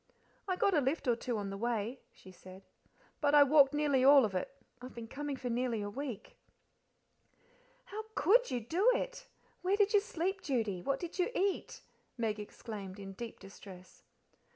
"I got a lift or two on the way," she said, "but I walked nearly all of it, I've been coming for nearly a week:" "How COULD you do it? Where did you sleep, Judy? What did you eat?" Meg exclaimed, in deep distress.